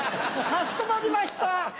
かしこまりました！